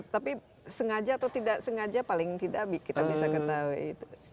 tapi sengaja atau tidak sengaja paling tidak kita bisa ketahui